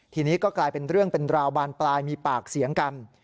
ทีนี้ก็กลายเป็นเรื่องเป็นราวบานปลายมีปากเสียงกัน